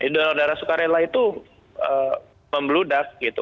donor darah sukarela itu membeludak gitu